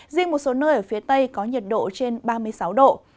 riêng một số nơi ở phía tây có nhiệt độ trên ba mươi sáu độ